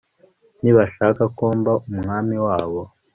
ntibashaka ko mba umwami wabo